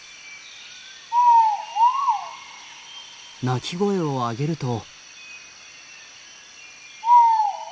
鳴き声を上げると。